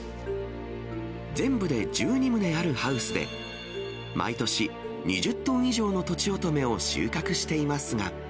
全部で１２棟あるハウスで、毎年２０トン以上のとちおとめを収穫していますが。